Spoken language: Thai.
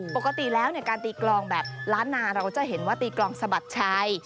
ปกติแล้วการตีกลองแบบล้านนาเราจะเห็นว่าตีกลองสะบัดชัย